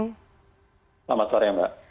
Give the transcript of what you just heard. selamat sore mbak